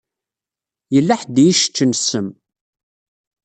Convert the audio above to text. Yella ḥedd i yi-iseččen ssem.